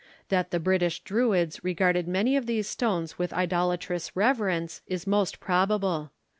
That the British Druids regarded many of these stones with idolatrous reverence, is most probable.